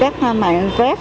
các mạng web